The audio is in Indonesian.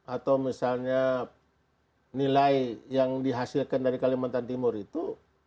atau misalnya nilai yang dihasilkan dari kalimantan timur itu